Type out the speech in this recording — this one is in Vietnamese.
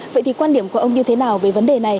vậy thì quan điểm của ông như thế nào về vấn đề này